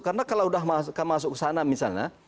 karena kalau sudah masuk ke sana misalnya